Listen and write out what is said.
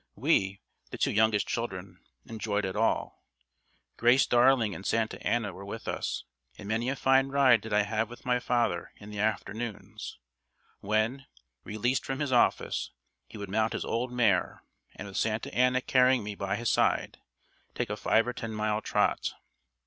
We, the two youngest children, enjoyed it all. Grace Darling and Santa Anna were with us, and many a fine ride did I have with my father in the afternoons, when, released from his office, he would mount his old mare and, with Santa Anna carrying me by his side, take a five or ten mile trot.